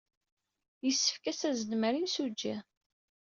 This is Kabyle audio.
Yessefk ad taznem ɣer yemsujji.